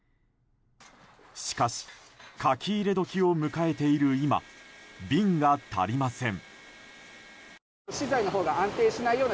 しかし書き入れ時を迎えている今瓶が足りません。